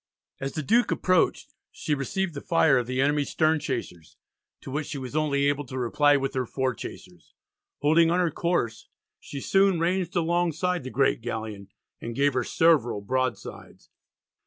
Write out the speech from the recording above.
As the Duke approached she received the fire of the enemy's stern chasers, to which she was only able to reply with her fore chasers. Holding on her course she soon ranged alongside the great galleon, and gave her several broadsides.